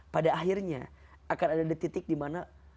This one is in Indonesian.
pada akhirnya akan ada titik dimana